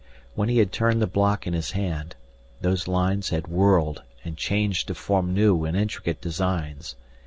When he had turned the block in his hand, those lines had whirled and changed to form new and intricate designs.